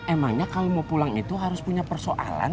emangnya kalau mau pulang itu harus punya persoalan